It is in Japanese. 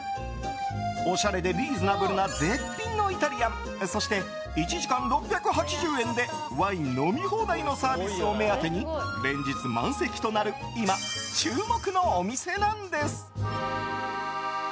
おしゃれでリーズナブルな絶品のイタリアンそして１時間６８０円でワイン飲み放題のサービスを目当てに連日満席となる今、注目のお店なんです。